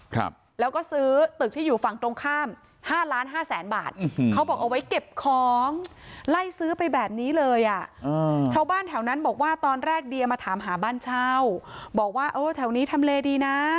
ครับแล้วก็ซื้อตึกที่อยู่ฝั่งตรงข้ามห้าล้านห้าแสนบาทอืมเขาบอกเอาไว้เก็บของไล่ซื้อไปแบบนี้เลยอ่ะอ่าชาวบ้านแถวนั้นบอกว่าตอนแรกเดียมาถามหาบ้านเช่าบอกว่าเออแถวนี้ทำเลดีนะ